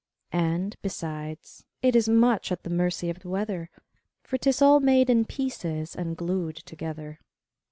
And, besides, it is much at the mercy of the weather For 'tis all made in pieces and glued together!